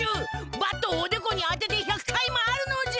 バットをおでこにあてて１００回回るのじゃ！